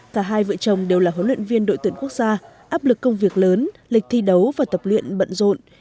cả hai vợ chồng đều là huấn luyện viên đội tuyển quốc gia áp lực công việc lớn lịch thi đấu và tập luyện bận rộn